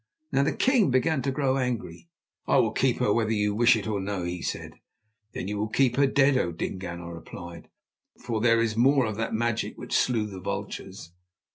Now the king began to grow angry. "I will keep her, whether you wish it or no," he said. "Then you will keep her dead, O Dingaan," I replied, "for there is more of that magic which slew the vultures."